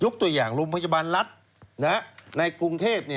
ตัวอย่างโรงพยาบาลรัฐในกรุงเทพ